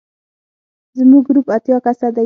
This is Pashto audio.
زموږ ګروپ اتیا کسه دی.